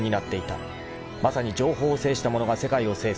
［まさに情報を制したものが世界を制す］